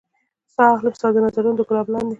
ساه اخلم ستا د نظرونو د ګلاب لاندې